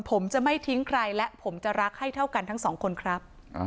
ผมจะไม่ทิ้งใครและผมจะรักให้เท่ากันทั้งสองคนครับ